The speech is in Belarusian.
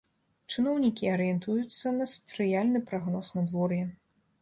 Чыноўнікі арыентуюцца на спрыяльны прагноз надвор'я.